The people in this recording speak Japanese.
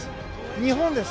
日本です。